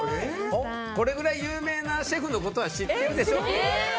これぐらい有名なシェフのことは知ってるでしょって。